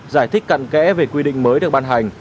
giải thích cận kẽ về quy định mới được ban hành